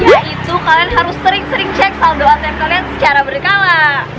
yaitu kalian harus sering sering cek saldo atm kalian secara berkala